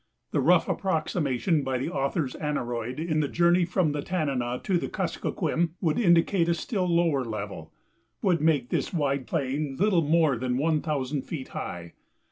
The rough approximation by the author's aneroid in the journey from the Tanana to the Kuskokwim would indicate a still lower level would make this wide plain little more than one thousand feet high.